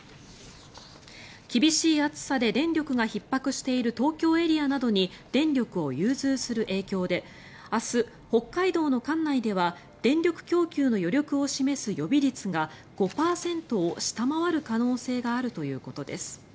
厳しい暑さで電力がひっ迫している東京エリアなどに電力を融通する影響で明日、北海道の管内では電力供給の余力を示す予備率が５％を下回る可能性があるということです。